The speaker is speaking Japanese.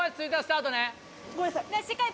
ごめんなさい。